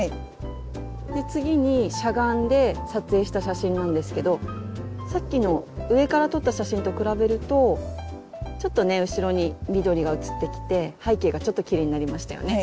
次にしゃがんで撮影した写真なんですけどさっきの上から撮った写真と比べるとちょっとね後ろに緑が写ってきて背景がちょっときれいになりましたよね。